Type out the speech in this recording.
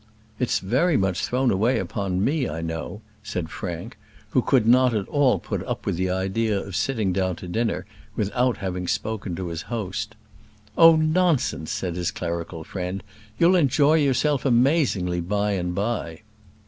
"It's very much thrown away upon me, I know," said Frank, who could not at all put up with the idea of sitting down to dinner without having been spoken to by his host. "Oh, nonsense!" said his clerical friend; "you'll enjoy yourself amazingly by and by.